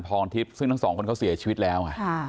ก็เลยขับรถไปมอบตัว